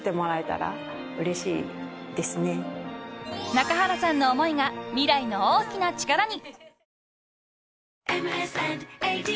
［中原さんの思いが未来の大きな力に］